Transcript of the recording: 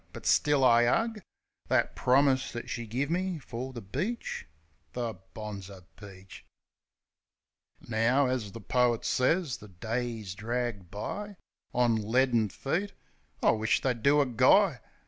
But still I 'ug That promise that she give me fer the beach. The bonzer peach! THE INTRO 83 Now, as the poit sez, the days drag by On ledding feet. I wish't they'd do a guy.